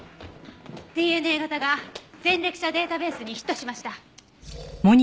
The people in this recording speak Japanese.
ＤＮＡ型が前歴者データベースにヒットしました。